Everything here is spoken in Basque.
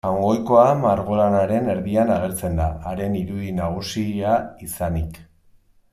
Jaungoikoa margolanaren erdian agertzen da, haren irudi nagusia izanik.